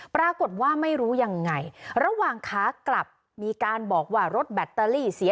ปรากฏว่าไม่รู้ยังไงระหว่างขากลับมีการบอกว่ารถแบตเตอรี่เสีย